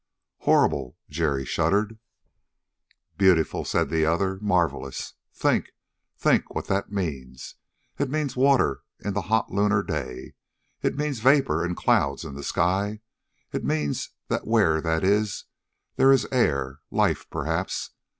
"Horrible!" Jerry shuddered. "Beautiful," said the other. "Marvellous! Think, think what that means. It means water in the hot lunar day. It means vapor and clouds in the sky. It means that where that is there is air life, perhaps.